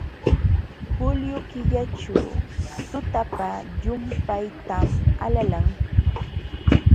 Julio killaćhu tutapa llumpaytam alalan.